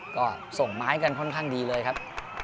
ก็ส่งไม้กันค่อนข้างดีเลยครับ